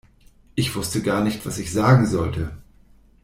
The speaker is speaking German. Ich wusste gar nicht, was ich sagen sollte.